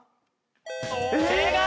正解！